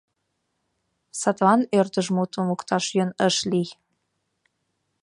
Садлан ӧрдыж мутым лукташ йӧн ыш лий.